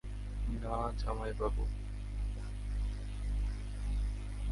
না, জামাইবাবু।